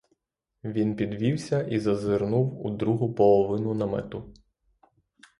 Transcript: Він підвівся і зазирнув у другу половину намету.